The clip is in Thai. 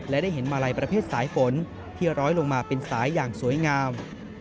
และได้เห็นมาลัยประเภทสายฝนที่ร้อยลงมาเป็นสายอย่างสวยงาม